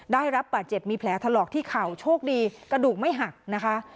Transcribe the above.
ได้รับบาดเจ็บมีแผลถลอกที่เข่าโชคดีกระดูกไม่หักนะคะ